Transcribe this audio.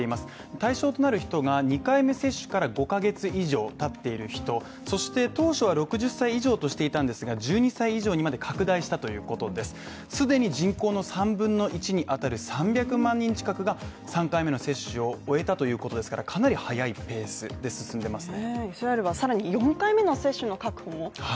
対象となる人が２回目接種から５か月以上たっている人そして当初は６０歳以上としていたんですが１２歳以上にまで拡大したということです既に人口の３分の１に当たる３００万人近くが３回目の接種を終えたということですからかなり速いペースで進んでますね